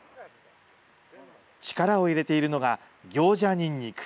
力を入れているのが、ギョウジャニンニク。